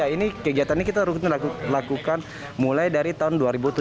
ini kegiatan ini kita rutin lakukan mulai dari tahun dua ribu tujuh belas